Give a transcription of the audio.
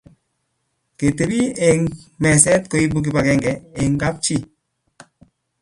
Ketepi eng meset koipu kipakenge eng kapchi